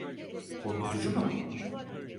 Korkutucu mu?